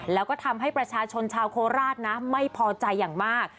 แล้วก็ทำให้ประชาชนชาวโคราชนะไม่พอใจอย่างมาก